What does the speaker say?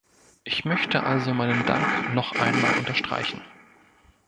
Ich möchte also meinen Dank noch einmal unterstreichen.